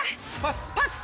パス？